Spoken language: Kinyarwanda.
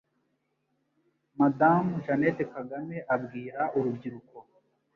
Madamu Jeannette Kagame abwira urubyiruko